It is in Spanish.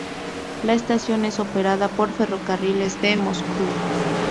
La estación es operada por Ferrocarriles de Moscú.